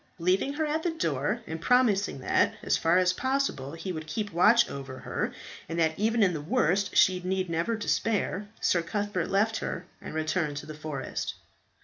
Leaving her at the door, and promising that, as far as possible, he would keep watch over her, and that even in the worst she need never despair, Sir Cuthbert left her and returned to the forest.